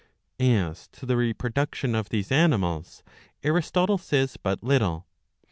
As to the re production of these animals Aristotle says but little.